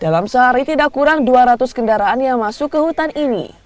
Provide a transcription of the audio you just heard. dalam sehari tidak kurang dua ratus kendaraan yang masuk ke hutan ini